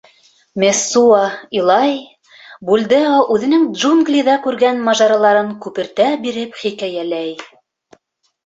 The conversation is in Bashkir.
Мессуа илай, Бульдео үҙенең джунглиҙа күргән мажараларын күпертә биреп хикәйәләй.